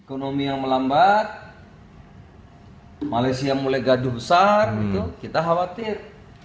ekonomi yang melambat malaysia mulai gaduh besar kita khawatir